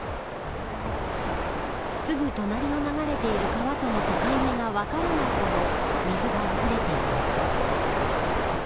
すぐ隣を流れている川との境目が分からないほど水があふれています。